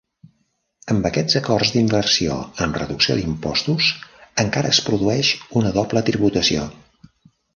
Amb aquests acords d'inversió amb reducció d'impostos encara es produeix una doble tributació.